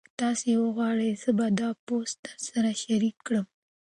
که تاسي وغواړئ زه به دا پوسټ درسره شریک کړم.